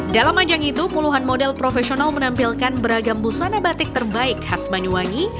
dalam ajang itu puluhan model profesional menampilkan beragam busana batik terbaik khas banyuwangi